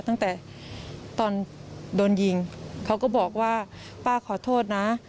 ตั้งแต่ตอนโดนยิงเขาก็บอกว่าป้าขอโทษนะ